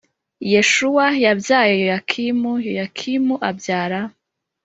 Yeshuwa yabyaye Yoyakimu Yoyakimu abyara